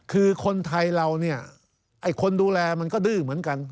คือคนไทยเราเนี่ยไอ้คนดูแลมันก็ดื้อเหมือนกัน